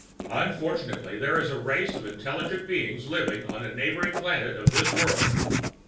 "Unfortunately, there is a race of intelligent beings living on a neighboring planet of this world.